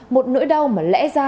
một nỗi đau mà lẽ ra